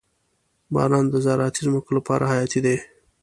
• باران د زراعتي ځمکو لپاره حیاتي دی.